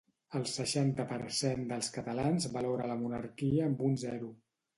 El seixanta per cent dels catalans valora la monarquia amb un zero.